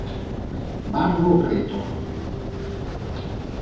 Barro Preto